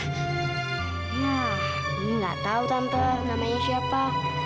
nah ini nggak tahu tante namanya siapa